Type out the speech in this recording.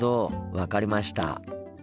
分かりました。